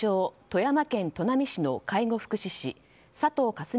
・富山県砺波市の介護福祉士佐藤果純